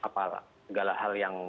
segala hal yang